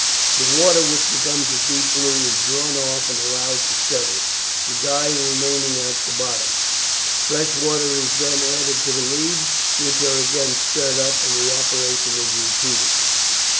The water, which becomes a deep blue, is drawn off and allowed to settle, the dye remaining at the bottom. Fresh water is then added to the leaves, which are again stirred up and the operation is repeated.